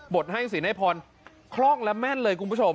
บทให้ศรีแน่ภรคลอกและแม่นเลยคุณผู้ชม